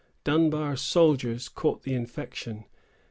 Dunbar's soldiers caught the infection.